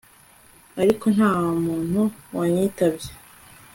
ariko nta muntu wanyitabye »